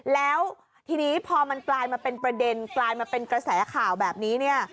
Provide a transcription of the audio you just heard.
แล้วทีนี้พอมันกลายมาเป็นประเด็นกลายมาเป็นกระแสข่าวแบบนี้เนี่ย